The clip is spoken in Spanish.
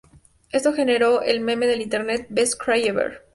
Esto generó el meme de Internet "Best Cry Ever".